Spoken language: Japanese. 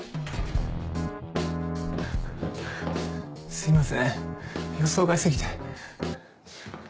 すいません予想外過ぎて。